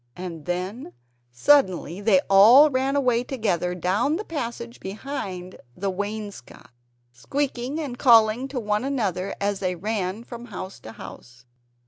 And then suddenly they all ran away together down the passage behind the wainscot, squeaking and calling to one another as they ran from house to house.